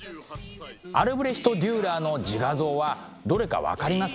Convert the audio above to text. アルブレヒト・デューラーの自画像はどれか分かりますか？